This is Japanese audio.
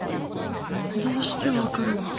どうしてわかるの？